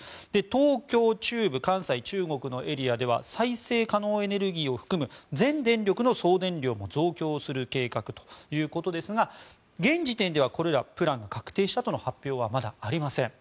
東京、中部、関西、中国のエリアでは再生可能エネルギーを含む全電力の送電網も増強する計画ということですが現時点ではプランが確定したという発表はありません。